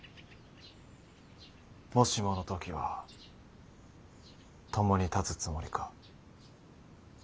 もしもの時は共に立つつもりか？